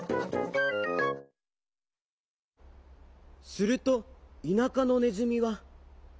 すると田舎のねずみは。